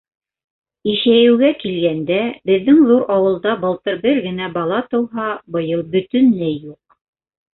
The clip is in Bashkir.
Ишәйеүгә килгәндә, беҙҙең ҙур ауылда былтыр бер генә бала тыуһа, быйыл бөтөнләй юҡ!